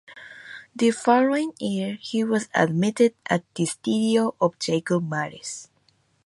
The following year, he was admitted at the studio of Jacob Maris.